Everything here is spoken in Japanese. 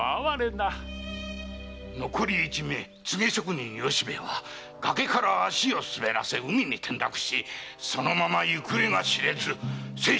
残り一名ツゲ職人・由兵衛は崖から足を滑らせ海に転落しそのまま行方が知れず生死不明にございます。